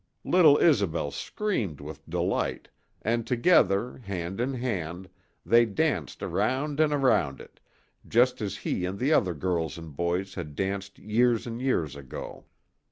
Little Isobel screamed with delight, and together, hand in hand, they danced around and around it, just as he and the other girls and boys had danced years and years ago.